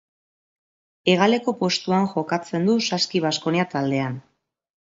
Hegaleko postuan jokatzen du Saski Baskonia taldean.